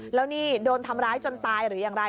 แล้วนี่โดนทำร้ายจนตายหรืออย่างไร